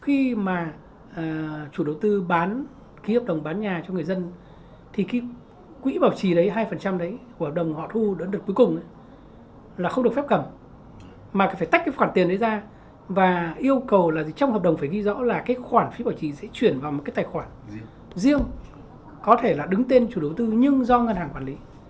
khi mà chủ đầu tư bán ký hợp đồng bán nhà cho người dân thì cái quỹ bảo trì đấy hai đấy của hợp đồng họ thu đến đợt cuối cùng là không được phép cầm mà phải tách cái khoản tiền đấy ra và yêu cầu là trong hợp đồng phải ghi rõ là cái khoản phí bảo trì sẽ chuyển vào một cái tài khoản riêng có thể là đứng tên chủ đầu tư nhưng do ngân hàng quản lý